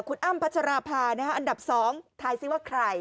คุณอ้ำพัชราภาอันดับ๒ถ่ายซิว่าใคร